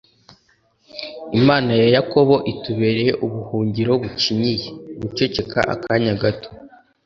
imana ya yakobo itubereye ubuhungiro bucinyiye! (guceceka akanya gato